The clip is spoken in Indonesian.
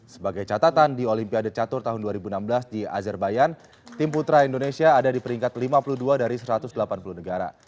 sebagai catatan di olimpiade catur tahun dua ribu enam belas di azerbayan tim putra indonesia ada di peringkat lima puluh dua dari satu ratus delapan puluh negara